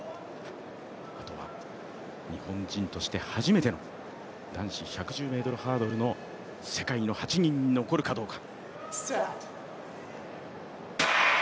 あとは日本人として初めての男子１１０ｍハードルの世界の８人に残るかどうか。